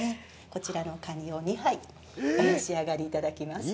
こちらのカニを２杯お召し上がりいただきます。